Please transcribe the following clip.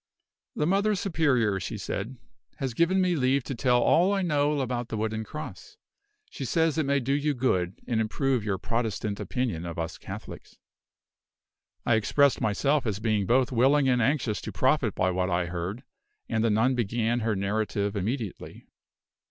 "The Mother Superior," she said, "has given me leave to tell all I know about the wooden cross. She says it may do you good, and improve your Protestant opinion of us Catholics." I expressed myself as being both willing and anxious to profit by what I heard; and the nun began her narrative immediately.